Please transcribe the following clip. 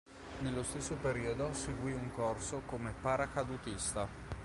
Nello stesso periodo seguì un corso come paracadutista.